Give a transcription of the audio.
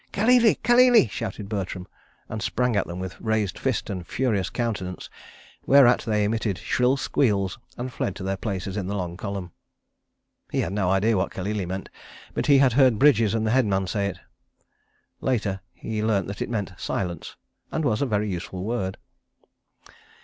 "Kalele! Kalele!" shouted Bertram, and sprang at them with raised fist and furious countenance, whereat they emitted shrill squeals and fled to their places in the long column. He had no idea what "Kalele!" meant, but had heard Bridges and the headman say it. Later he learnt that it meant "Silence!" and was a very useful word.